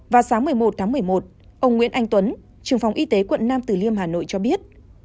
và sáng một mươi một tháng một mươi một ông nguyễn anh tuấn trường phòng y tế quận nam từ liêm hà nội cho biết